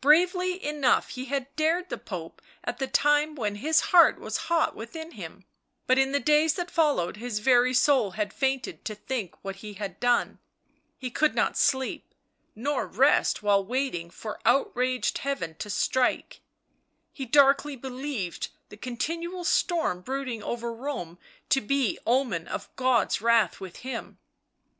Bravely enough had he dared the Pope at the time when his heart was hot within him, but in the days that fol lowed his very soul had fainted to think what he had done; he could not sleep nor rest while waiting for outraged Heaven to strike ; he darkly believed the continual storm brooding over Rome to be omen of God's wrath with him.